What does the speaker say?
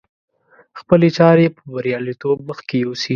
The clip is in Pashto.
خپلې چارې په برياليتوب مخکې يوسي.